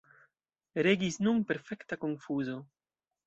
Regis nun perfekta konfuzo.